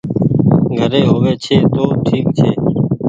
گھري هووي ڇي تو ٺيڪ ڇي۔